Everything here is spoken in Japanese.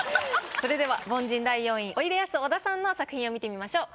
それでは凡人第４位おいでやす小田さんの作品を見てみましょう。